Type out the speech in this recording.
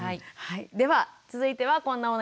では続いてはこんなお悩みです。